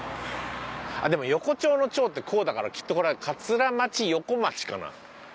あっでも横町の「町」ってこうだからきっとこれは「桂町横町」かな？